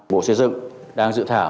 bộ xây dựng đang dự thảo